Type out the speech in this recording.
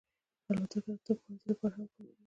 الوتکه د طب پوهنې لپاره هم کارېږي.